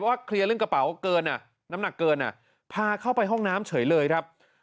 ว่าเคลียร์เรื่องกระเป๋าเกินอ่ะน้ำหนักเกินพาเข้าไปห้องน้ำเฉยเลยครับ